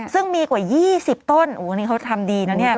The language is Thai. ซึ่งมีกว่า๒๐ต้นอู๋นี่เขาทำดีนะ